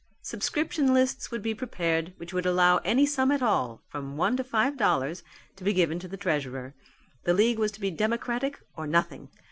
Subscription lists would be prepared which would allow any sum at all, from one to five dollars, to be given to the treasurer. The league was to be democratic or nothing.